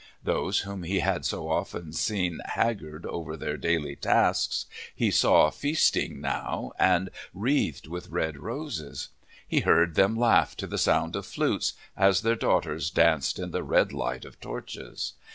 Those whom he had so often seen haggard over their daily tasks, he saw feasting now and wreathed with red roses. He heard them laugh to the sound of flutes, as their daughters danced in the red light of torches.